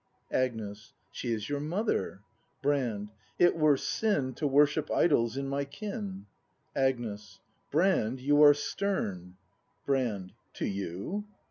Agnes. She is vour mother! Brand. It were sin To worship idols in my kin. Agnes. Brand, you are stern! Brand. To you